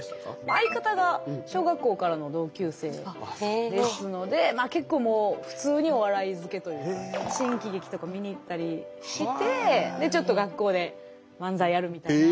相方が小学校からの同級生ですので結構普通にお笑い漬けというか新喜劇とか見に行ったりしてちょっと学校で漫才やるみたいな。